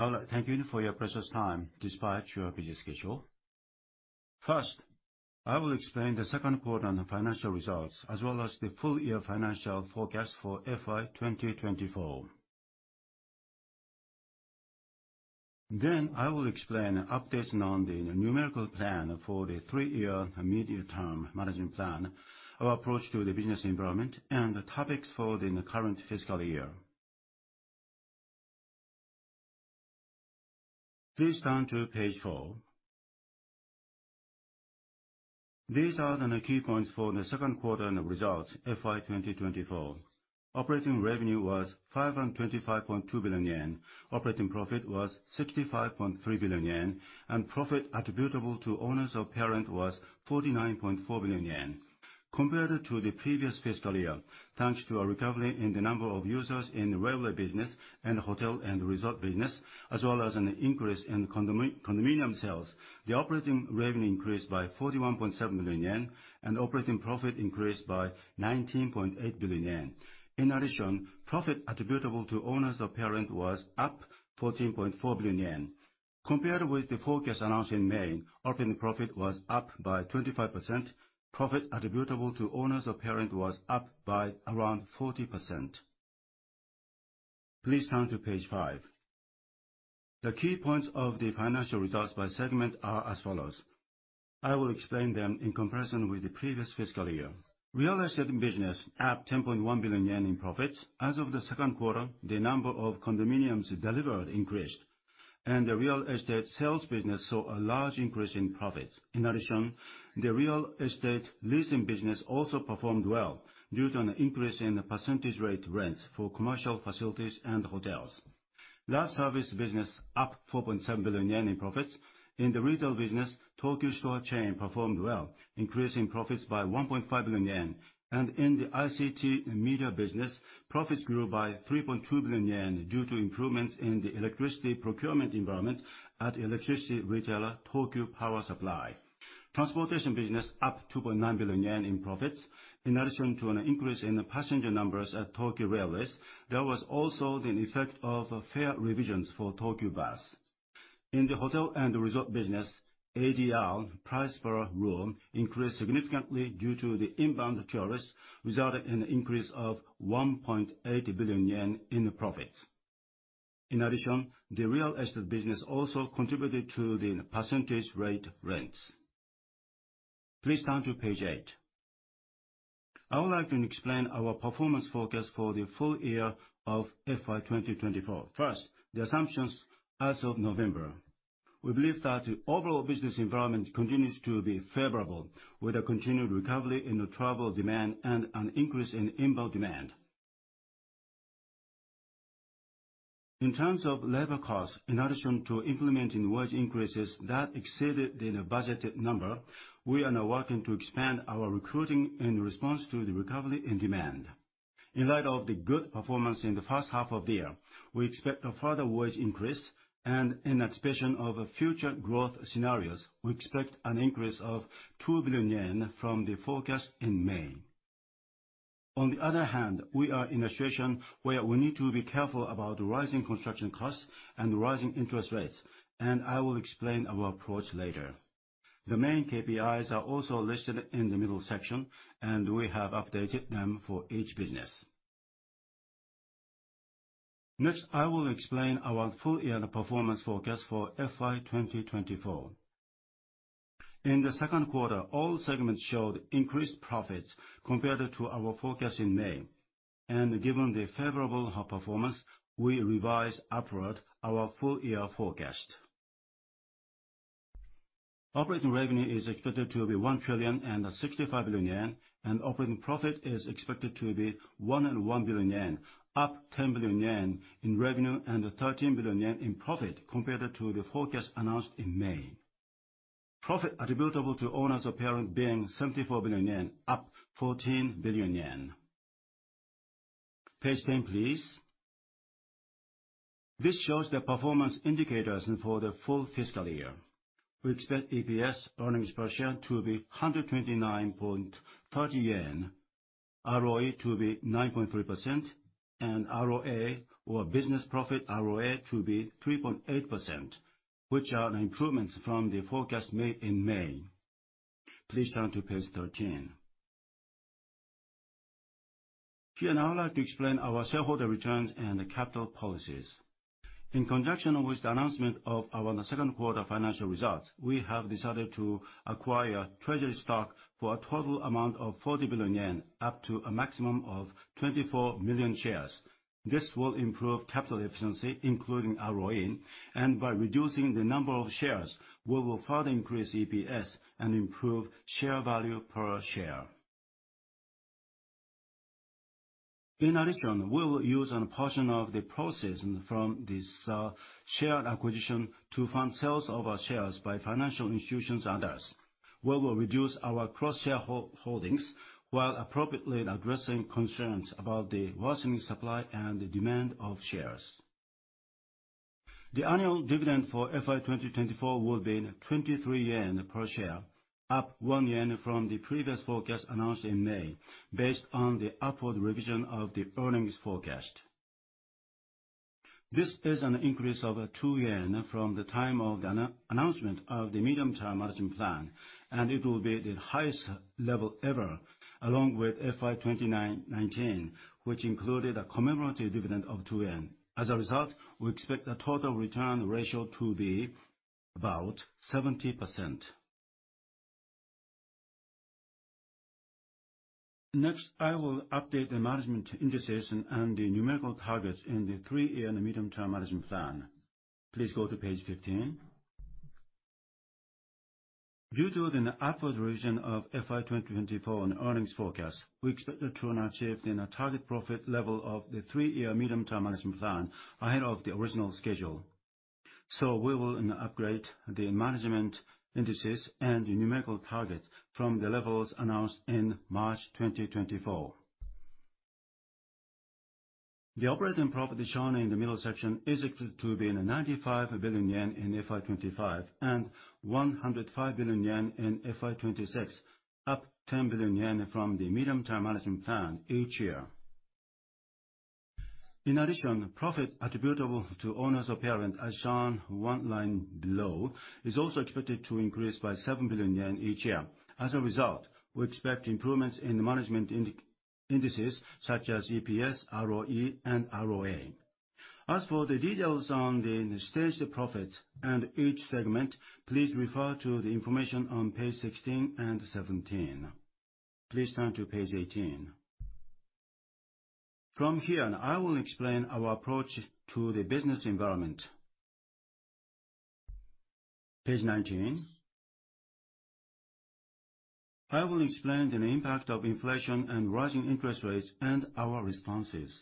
All right. Thank you for your precious time despite your busy schedule. First, I will explain the second quarter on the financial results, as well as the full year financial forecast for FY 2024. Then I will explain updates on the numerical plan for the three-year immediate term management plan, our approach to the business environment, and the topics for the current fiscal year. Please turn to page four. These are the key points for the second quarter results FY 2024. Operating revenue was 525.2 billion yen, operating profit was 65.3 billion yen, and profit attributable to owners of parent was 49.4 billion yen. Compared to the previous fiscal year, thanks to a recovery in the number of users in the railway business and hotel and resort business, as well as an increase in condominium sales, the operating revenue increased by 41.7 billion yen, and operating profit increased by 19.8 billion yen. Profit attributable to owners of parent was up 14.4 billion yen. Compared with the forecast announced in May, operating profit was up by 25%, profit attributable to owners of parent was up by around 40%. Please turn to page five. The key points of the financial results by segment are as follows. I will explain them in comparison with the previous fiscal year. Real estate business up 10.1 billion yen in profits. As of the second quarter, the number of condominiums delivered increased, and the real estate sales business saw a large increase in profits. In addition, the real estate leasing business also performed well due to an increase in percentage rate rents for commercial facilities and hotels. That service business up 4.7 billion yen in profits. In the retail business, Tokyu Store chain performed well, increasing profits by 1.5 billion yen. In the ICT media business, profits grew by 3.2 billion yen due to improvements in the electricity procurement environment at electricity retailer Tokyu Power Supply. Transportation business up 2.9 billion yen in profits. In addition to an increase in passenger numbers at Tokyu Railways, there was also the effect of fare revisions for Tokyu Bus. In the hotel and resort business, ADR, price per room, increased significantly due to the inbound tourists, resulting in an increase of 1.8 billion yen in profits. In addition, the real estate business also contributed to the percentage rate rents. Please turn to page eight. I would like to explain our performance forecast for the full year of FY 2024. First, the assumptions as of November. We believe that the overall business environment continues to be favorable, with a continued recovery in the travel demand and an increase in inbound demand. In terms of labor costs, in addition to implementing wage increases that exceeded the budgeted number, we are now working to expand our recruiting in response to the recovery and demand. In light of the good performance in the first half of the year, we expect a further wage increase and in anticipation of future growth scenarios, we expect an increase of 2 billion yen from the forecast in May. On the other hand, we are in a situation where we need to be careful about rising construction costs and rising interest rates, and I will explain our approach later. The main KPIs are also listed in the middle section, and we have updated them for each business. I will explain our full year performance forecast for FY 2024. In the second quarter, all segments showed increased profits compared to our forecast in May. Given the favorable performance, we revised upward our full year forecast. Operating revenue is expected to be 1 trillion 65 billion, and operating profit is expected to be 101 billion yen, up 10 billion yen in revenue and 13 billion yen in profit compared to the forecast announced in May. Profit attributable to owners of parent being 74 billion yen, up 14 billion yen. Page 10, please. This shows the performance indicators for the full fiscal year. We expect EPS, earnings per share, to be 129.30 yen, ROE to be 9.3%, and ROA, or business profit ROA, to be 3.8%, which are improvements from the forecast made in May. Please turn to page 13. Here, I would like to explain our shareholder returns and capital policies. In conjunction with the announcement of our second quarter financial results, we have decided to acquire treasury stock for a total amount of 40 billion yen, up to a maximum of 24 million shares. This will improve capital efficiency, including ROE, and by reducing the number of shares, we will further increase EPS and improve share value per share. In addition, we will use a portion of the proceeds from this share acquisition to fund sales of our shares by financial institutions and others. We will reduce our cross-shareholdings while appropriately addressing concerns about the worsening supply and the demand of shares. The annual dividend for FY 2024 will be 23 yen per share, up 1 yen from the previous forecast announced in May, based on the upward revision of the earnings forecast. This is an increase of 2 yen from the time of the announcement of the medium-term management plan, and it will be the highest level ever, along with FY 2019, which included a commemorative dividend of 2. As a result, we expect the total return ratio to be about 70%. I will update the management indices and the numerical targets in the three-year and medium-term management plan. Please go to page 15. Due to the upward revision of FY 2024 and earnings forecast, we expect to have achieved in a target profit level of the three-year medium-term management plan ahead of the original schedule. We will upgrade the management indices and numerical targets from the levels announced in March 2024. The operating profit shown in the middle section is expected to be 95 billion yen in FY 2025 and 105 billion yen in FY 2026, up 10 billion yen from the medium-term management plan each year. In addition, profit attributable to owners of parent, as shown one line below, is also expected to increase by 7 billion yen each year. As a result, we expect improvements in the management indices such as EPS, ROE, and ROA. As for the details on the staged profits and each segment, please refer to the information on page 16 and 17. Please turn to page 18. From here, I will explain our approach to the business environment. Page 19. I will explain the impact of inflation and rising interest rates and our responses.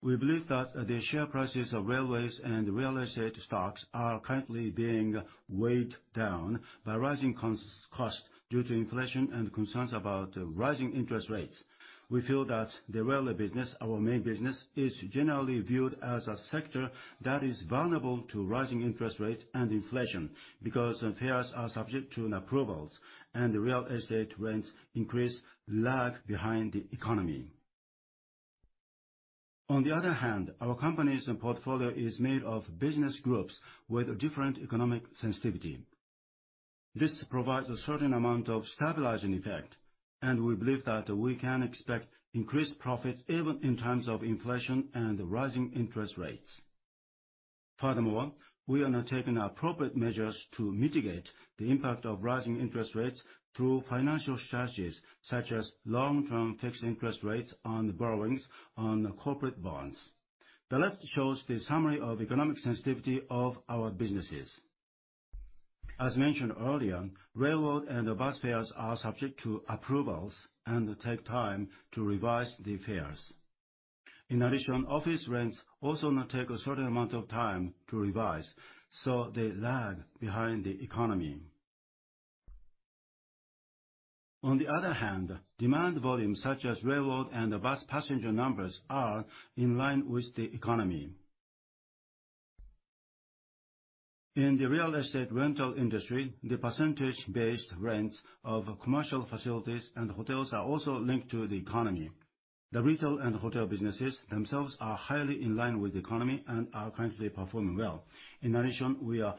We believe that the share prices of railways and real estate stocks are currently being weighed down by rising costs due to inflation and concerns about rising interest rates. We feel that the railway business, our main business, is generally viewed as a sector that is vulnerable to rising interest rates and inflation because fares are subject to approvals and real estate rents increase lag behind the economy. On the other hand, our company's portfolio is made of business groups with different economic sensitivity. This provides a certain amount of stabilizing effect, and we believe that we can expect increased profits even in times of inflation and rising interest rates. Furthermore, we are now taking appropriate measures to mitigate the impact of rising interest rates through financial strategies such as long-term fixed interest rates on borrowings on corporate bonds. The left shows the summary of economic sensitivity of our businesses. As mentioned earlier, railroad and bus fares are subject to approvals and take time to revise the fares. In addition, office rents also now take a certain amount of time to revise, so they lag behind the economy. On the other hand, demand volume such as railroad and bus passenger numbers are in line with the economy. In the real estate rental industry, the percentage-based rents of commercial facilities and hotels are also linked to the economy. The retail and hotel businesses themselves are highly in line with the economy and are currently performing well. In addition, we are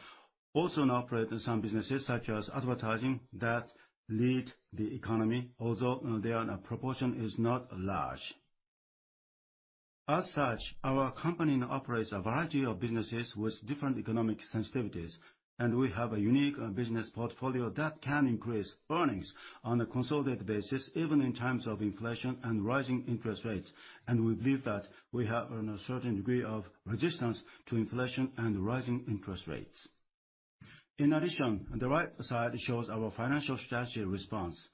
also now operating some businesses, such as advertising, that lead the economy, although their proportion is not large. As such, our company now operates a variety of businesses with different economic sensitivities, and we have a unique business portfolio that can increase earnings on a consolidated basis, even in times of inflation and rising interest rates. We believe that we have a certain degree of resistance to inflation and rising interest rates. In addition, the right side shows our financial strategy response.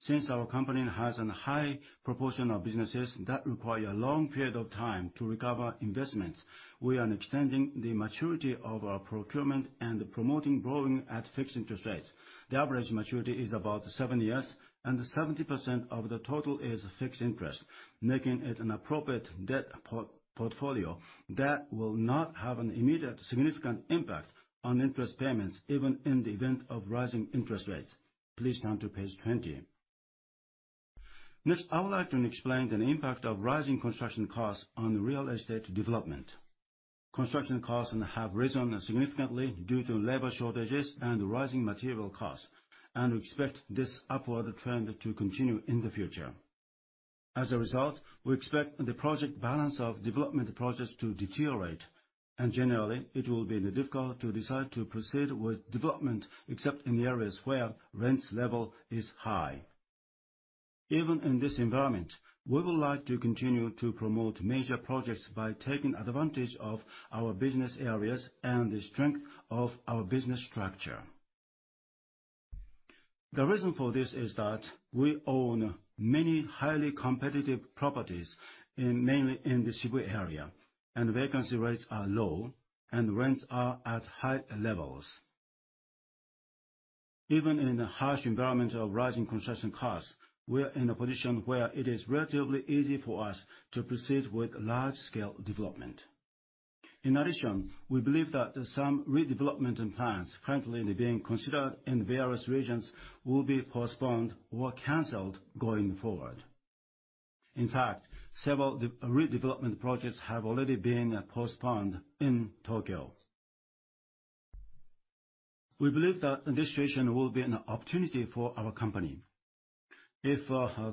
Since our company has a high proportion of businesses that require a long period of time to recover investments, we are now extending the maturity of our procurement and promoting borrowing at fixed interest rates. The average maturity is about 7 years, and 70% of the total is fixed interest, making it an appropriate debt portfolio that will not have an immediate significant impact on interest payments even in the event of rising interest rates. Please turn to page 20. Next, I would like to explain the impact of rising construction costs on real estate development. Construction costs have risen significantly due to labor shortages and rising material costs, and we expect this upward trend to continue in the future. As a result, we expect the project balance of development projects to deteriorate, and generally, it will be difficult to decide to proceed with development, except in areas where rent level is high. Even in this environment, we would like to continue to promote major projects by taking advantage of our business areas and the strength of our business structure. The reason for this is that we own many highly competitive properties, mainly in the Shibuya area, and vacancy rates are low, and rents are at high levels. Even in the harsh environment of rising construction costs, we're in a position where it is relatively easy for us to proceed with large-scale development. We believe that some redevelopment plans currently being considered in various regions will be postponed or canceled going forward. Several redevelopment projects have been postponed in Tokyo. We believe that this situation will be an opportunity for our company. If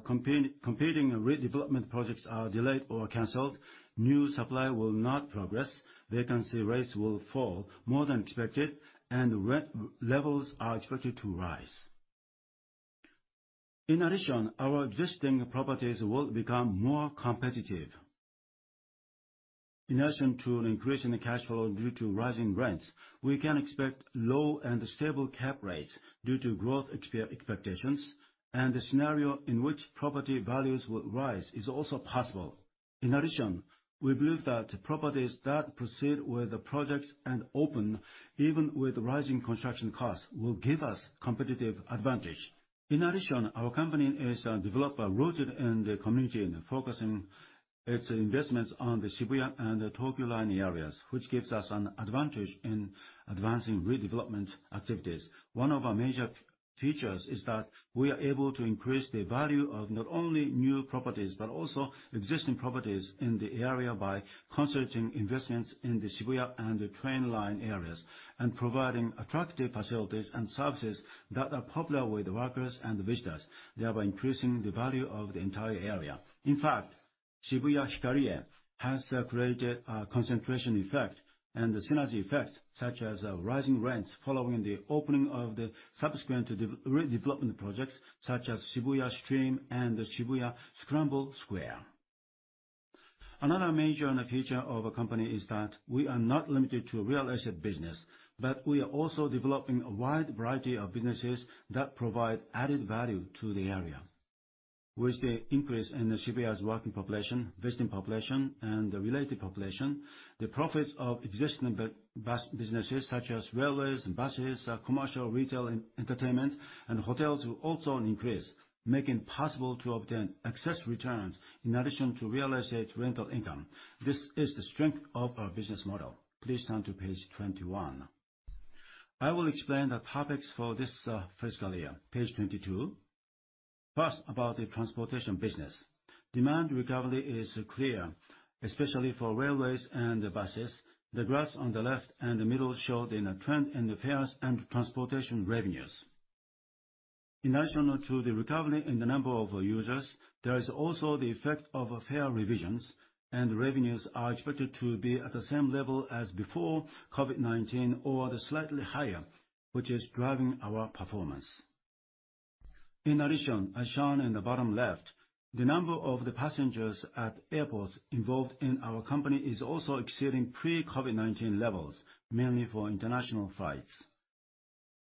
competing redevelopment projects are delayed or canceled, new supply will not progress, vacancy rates will fall more than expected, and rent levels are expected to rise. Our existing properties will become more competitive. An increase in cash flow due to rising rents, we can expect low and stable cap rates due to growth expectations, and a scenario in which property values will rise is also possible. We believe that properties that proceed with the projects and open even with rising construction costs will give us competitive advantage. Our company is a developer rooted in the community and focusing its investments on the Shibuya and the Tokyu Line areas, which gives us an advantage in advancing redevelopment activities. One of our major features is that we are able to increase the value of not only new properties but also existing properties in the area by concentrating investments in the Shibuya and the Tokyu Line areas and providing attractive facilities and services that are popular with workers and visitors, thereby increasing the value of the entire area. Shibuya Hikarie has created a concentration effect and the synergy effects, such as rising rents following the opening of the subsequent redevelopment projects such as Shibuya Stream and the Shibuya Scramble Square. Another major feature of our company is that we are not limited to real estate business, but we are also developing a wide variety of businesses that provide added value to the area. With the increase in Shibuya's working population, visiting population, and the related population, the profits of existing businesses such as railways and buses, commercial, retail, entertainment, and hotels will also increase, making it possible to obtain excess returns in addition to real estate rental income. This is the strength of our business model. Please turn to page 21. I will explain the topics for this fiscal year. Page 22. About the transportation business. Demand recovery is clear, especially for railways and buses. The graphs on the left and the middle show the trend in the fares and transportation revenues. The recovery in the number of users, there is also the effect of fare revisions, and revenues are expected to be at the same level as before COVID-19 or slightly higher, which is driving our performance. As shown in the bottom left, the number of passengers at airports involved in our company is also exceeding pre-COVID-19 levels, mainly for international flights.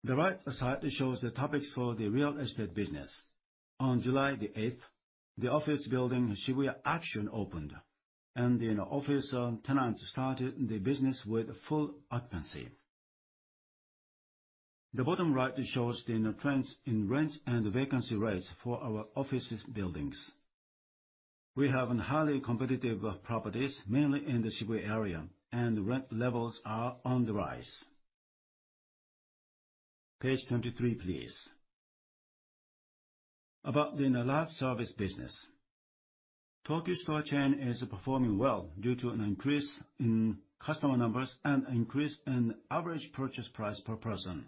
The right side shows the topics for the real estate business. On July 8th, the office building SHIBUYA AXSH opened, and the office tenants started the business with full occupancy. The bottom right shows the trends in rents and vacancy rates for our office buildings. We have highly competitive properties, mainly in the Shibuya area, and rent levels are on the rise. Page 23, please. About the live service business. Tokyu Store chain is performing well due to an increase in customer numbers and an increase in average purchase price per person.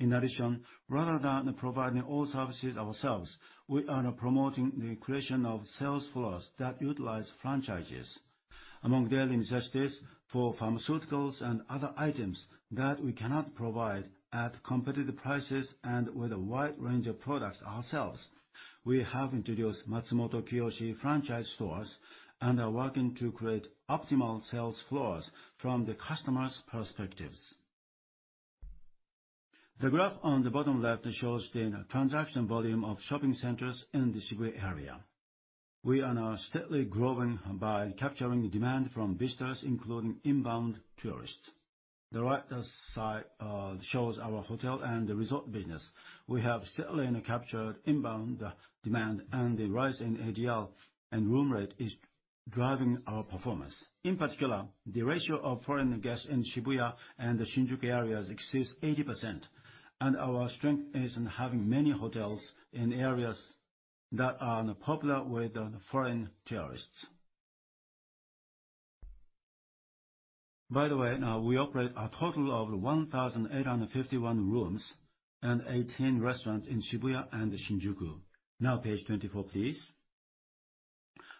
In addition, rather than providing all services ourselves, we are promoting the creation of sales floors that utilize franchises. Among daily necessities, for pharmaceuticals and other items that we cannot provide at competitive prices and with a wide range of products ourselves, we have introduced Matsumoto Kiyoshi franchise stores and are working to create optimal sales floors from the customer's perspectives. The graph on the bottom left shows the transaction volume of shopping centers in the Shibuya area. We are now steadily growing by capturing demand from visitors, including inbound tourists. The right side shows our hotel and the resort business. We have steadily captured inbound demand, and the rise in ADR and room rate is driving our performance. In particular, the ratio of foreign guests in Shibuya and the Shinjuku areas exceeds 80%, and our strength is in having many hotels in areas that are popular with foreign tourists. By the way, we operate a total of 1,851 rooms and 18 restaurants in Shibuya and Shinjuku. Page 24, please.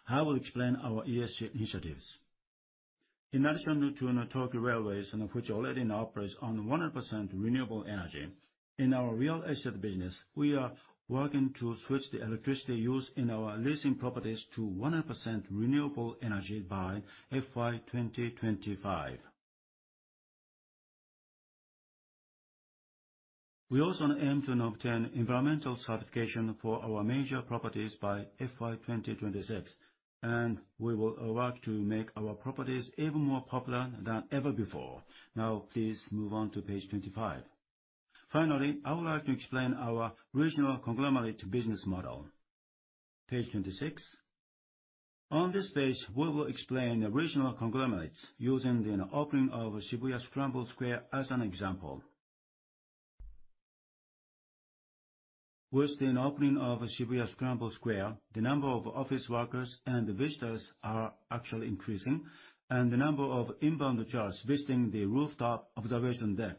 I will explain our ESG initiatives. In addition to Tokyu Railways, which already now operates on 100% renewable energy, in our real estate business, we are working to switch the electricity used in our leasing properties to 100% renewable energy by FY 2025. We also aim to obtain environmental certification for our major properties by FY 2026, and we will work to make our properties even more popular than ever before. Please move on to page 25. Finally, I would like to explain our regional conglomerate business model. Page 26. On this page, we will explain the regional conglomerate using the opening of Shibuya Scramble Square as an example. With the opening of Shibuya Scramble Square, the number of office workers and visitors are actually increasing, and the number of inbound tourists visiting the rooftop observation deck,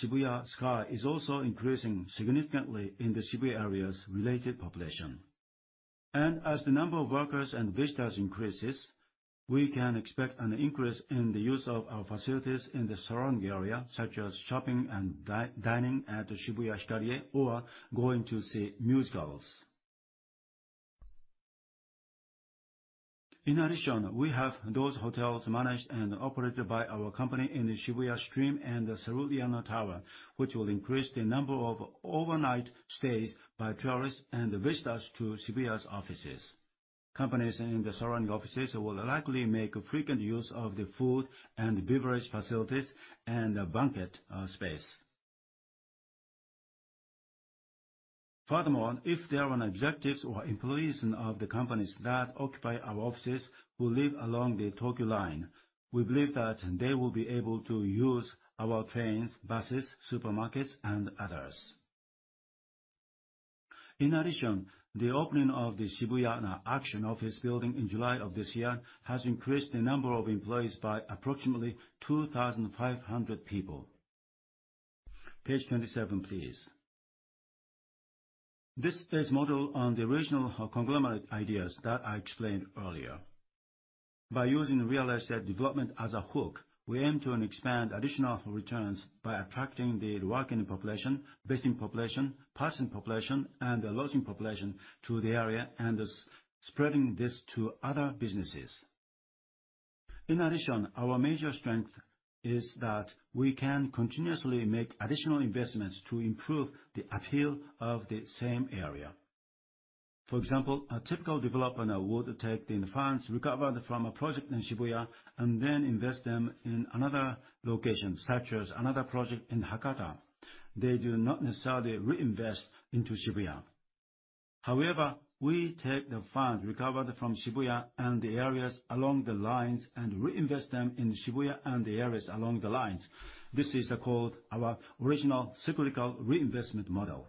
Shibuya Sky, is also increasing significantly in the Shibuya area's related population. As the number of workers and visitors increases, we can expect an increase in the use of our facilities in the surrounding area, such as shopping and dining at Shibuya Hikarie, or going to see musicals. In addition, we have those hotels managed and operated by our company in the Shibuya Stream and the Cerulean Tower, which will increase the number of overnight stays by tourists and visitors to Shibuya's offices. Companies in the surrounding offices will likely make frequent use of the food and beverage facilities and banquet space. Furthermore, if there are executives or employees of the companies that occupy our offices who live along the Tokyu Line, we believe that they will be able to use our trains, buses, supermarkets, and others. In addition, the opening of the SHIBUYA AXSH Office building in July of this year has increased the number of employees by approximately 2,500 people. Page 27, please. This is modeled on the regional conglomerate ideas that I explained earlier. By using real estate development as a hook, we aim to expand additional returns by attracting the working population, visiting population, passing population, and the lodging population to the area, and thus spreading this to other businesses. In addition, our major strength is that we can continuously make additional investments to improve the appeal of the same area. For example, a typical development would take the funds recovered from a project in Shibuya and then invest them in another location, such as another project in Hakata. They do not necessarily reinvest into Shibuya. However, we take the funds recovered from Shibuya and the areas along the lines and reinvest them in Shibuya and the areas along the lines. This is called our original cyclical reinvestment model.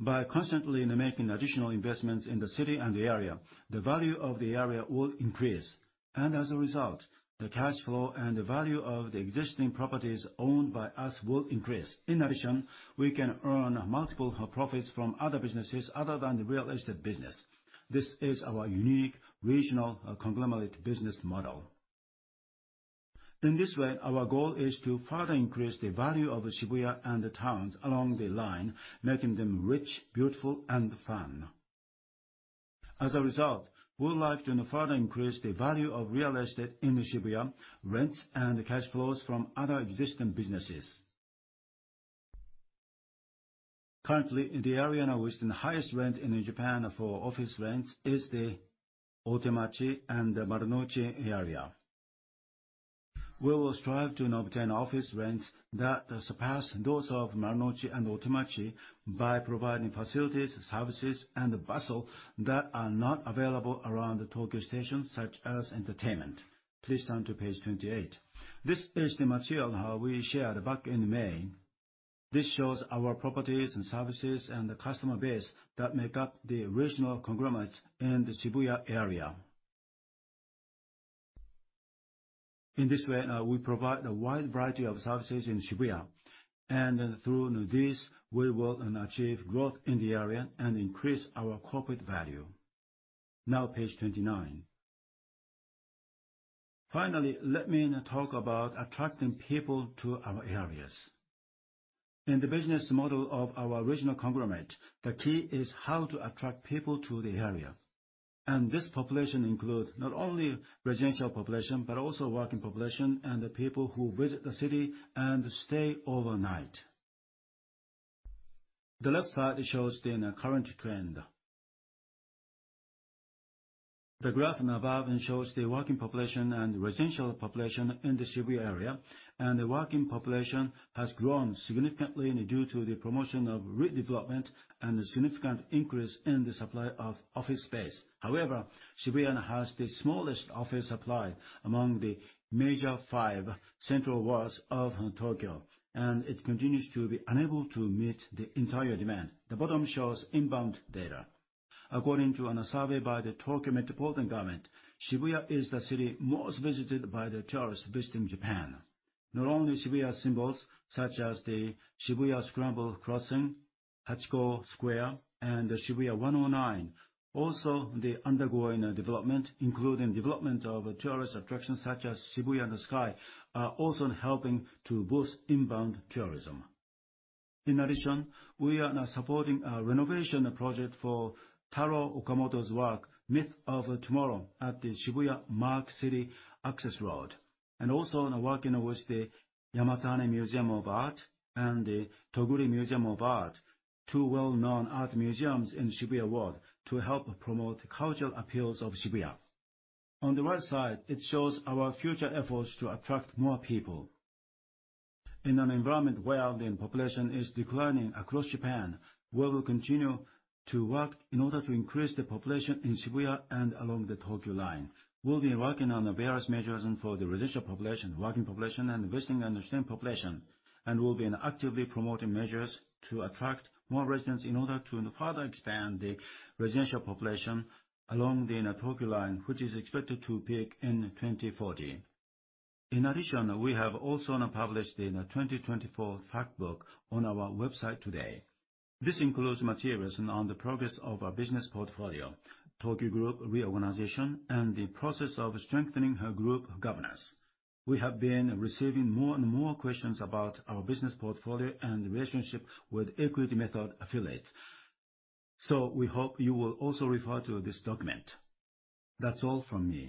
By constantly making additional investments in the city and the area, the value of the area will increase. As a result, the cash flow and the value of the existing properties owned by us will increase. In addition, we can earn multiple profits from other businesses other than the real estate business. This is our unique regional conglomerate business model. In this way, our goal is to further increase the value of Shibuya and the towns along the line, making them rich, beautiful, and fun. As a result, we would like to further increase the value of real estate in Shibuya, rents, and cash flows from other existing businesses. Currently, the area with the highest rent in Japan for office rents is the Otemachi and Marunouchi area. We will strive to obtain office rents that surpass those of Marunouchi and Otemachi by providing facilities, services, and the bustle that are not available around Tokyo Station, such as entertainment. Please turn to page 28. This is the material we shared back in May. This shows our properties and services and the customer base that make up the regional conglomerates in the Shibuya area. In this way, we provide a wide variety of services in Shibuya, and through this, we will achieve growth in the area and increase our corporate value. Now page 29. Finally, let me talk about attracting people to our areas. In the business model of our regional conglomerate, the key is how to attract people to the area. This population includes not only residential population, but also working population and the people who visit the city and stay overnight. The left side shows the current trend. The graph above shows the working population and residential population in the Shibuya area, and the working population has grown significantly due to the promotion of redevelopment and a significant increase in the supply of office space. However, Shibuya has the smallest office supply among the major five central wards of Tokyo, and it continues to be unable to meet the entire demand. The bottom shows inbound data. According to a survey by the Tokyo Metropolitan Government, Shibuya is the city most visited by the tourists visiting Japan. Not only Shibuya symbols such as the Shibuya Scramble Crossing, Hachiko Square, and the Shibuya 109, also the undergoing development, including development of tourist attractions such as Shibuya Sky, are also helping to boost inbound tourism. In addition, we are now supporting a renovation project for Taro Okamoto's work, Myth of Tomorrow, at the Shibuya Mark City Access Road, and also are working with the Yamatane Museum of Art and the Toguri Museum of Art, two well-known art museums in Shibuya Ward, to help promote the cultural appeals of Shibuya. On the right side, it shows our future efforts to attract more people. In an environment where the population is declining across Japan, we will continue to work in order to increase the population in Shibuya and along the Tokyu Line. We'll be working on various measures for the residential population, working population, and visiting and staying population, and we'll be actively promoting measures to attract more residents in order to further expand the residential population along the Tokyu Line, which is expected to peak in 2040. In addition, we have also now published the 2024 fact book on our website today. This includes materials on the progress of our business portfolio, Tokyu Group reorganization, and the process of strengthening our group governance. We have been receiving more and more questions about our business portfolio and relationship with equity method affiliates. We hope you will also refer to this document. That's all from me.